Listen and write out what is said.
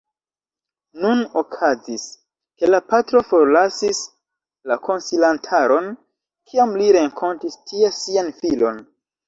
Nun okazis, ke la patro forlasis la konsilantaron, kiam li renkontis tie sian filon.